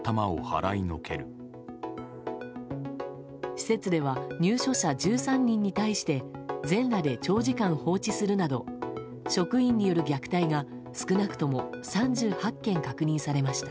施設では入所者１３人に対して全裸で長時間放置するなど職員による虐待が、少なくとも３８件確認されました。